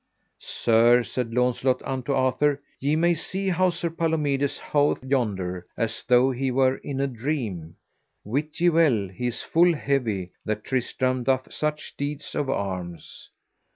Sir, said Launcelot unto Arthur, ye may see how Sir Palomides hoveth yonder, as though he were in a dream; wit ye well he is full heavy that Tristram doth such deeds of arms.